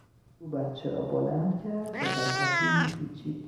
او بچه را بلند کرد و در پتویی پیچید.